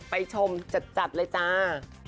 ไปชมจัดเลยจ้า